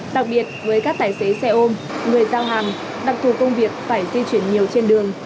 đặc biệt với các tài xế xe ôm người giao hàng đặc thù công việc phải di chuyển nhiều trên đường